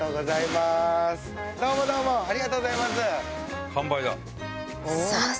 どうもどうもありがとうございます。